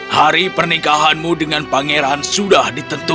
hari pernikahanmu dengan pangeran sudah ditentukan